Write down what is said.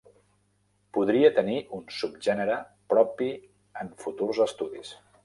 Podria tenir un subgènere propi en futurs estudis.